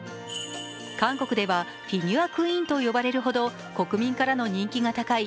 韓国ではフィギュアクイーンと呼ばれるほど国民からの人気が高い